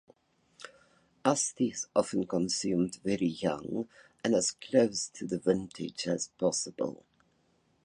Asti is often consumed very young and as close to the vintage as possible.